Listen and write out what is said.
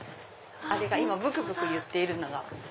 あれが今ぶくぶくいっているのが。